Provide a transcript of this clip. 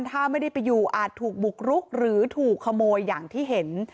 ถ้าไม่ได้ไปอยู่อาจถูกบุกรุกหรือถูกขโมยอย่างที่เห็น